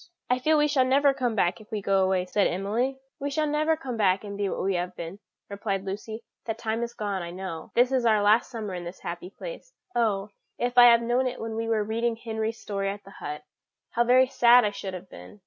"I feel we shall never come back if we go away," said Emily. "We shall never come back and be what we have been," replied Lucy; "that time is gone, I know. This is our last summer in this happy place. Oh, if I had known it when we were reading Henry's story at the hut, how very sad I should have been!"